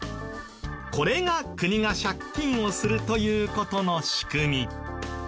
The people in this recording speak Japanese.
これが国が借金をするという事の仕組み。